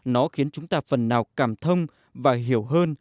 nó khiến chúng ta phần nào cảm thông và hiểu hơn